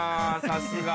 ◆さすが。